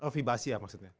oh vibasia maksudnya